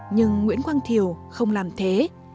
nhưng nguyễn quang thiều không làm thế